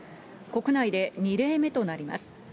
国内で２例目となります。